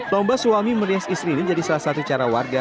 lomba suami merias istrinya jadi salah satu cara warga